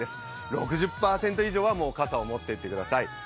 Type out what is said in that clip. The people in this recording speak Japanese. ６０％以上は傘を持っていってください。